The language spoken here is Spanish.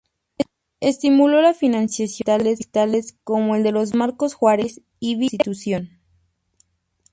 Estimuló la finalización de hospitales como el de Marcos Juárez y Villa Constitución.